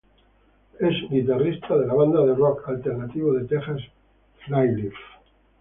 Es Guitarrista de la banda de rock alternativo de Texas, Flyleaf.